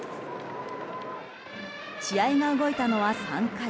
試合が動いたのは３回。